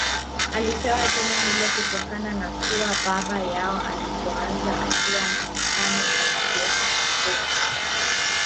Alipewa jina hilo kutokana na kuwa baba yao alipoanza akiwa maskani alifyeka mapori